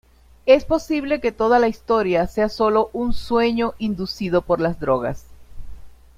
Es posible que toda la historia sea solo un sueño inducido por las drogas.